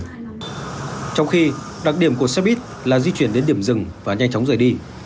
trong khi đặc điểm của xe buýt là di chuyển đến điểm dừng và nhanh chóng rời đi